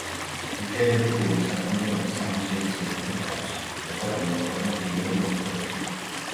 ლიტერატურული საქმიანობა სამოციანი წლებიდან დაიწყო, როცა გამოაქვეყნა პირველი მოთხრობები.